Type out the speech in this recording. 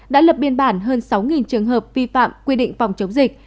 đã lập biên bản hơn sáu trường hợp vi phạm quy định phòng chống dịch